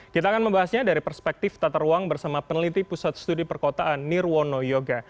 kita akan membahasnya dari perspektif tata ruang bersama peneliti pusat studi perkotaan nirwono yoga